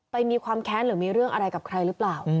มีความแค้นหรือมีเรื่องอะไรกับใครหรือเปล่า